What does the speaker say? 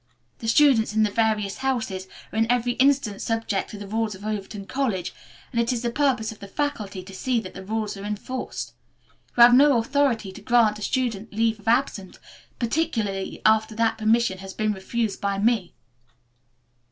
The students in the various houses are in every instance subject to the rules of Overton College, and it is the purpose of the faculty to see that these rules are enforced. You have no authority to grant a student leave of absence, particularly after that permission has been refused by me."